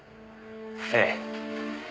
ええ。